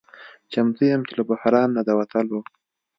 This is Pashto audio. چمتو یم چې له بحران نه د وتلو